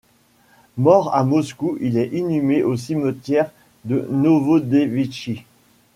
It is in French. Mort à Moscou il est inhumé au cimetière de Novodevitchi.